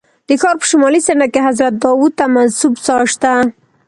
د ښار په شمالي څنډه کې حضرت داود ته منسوب څاه شته.